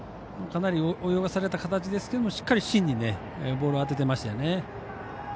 かなり泳がされた形ですけどもしっかり芯に、ボールを当てていましたね。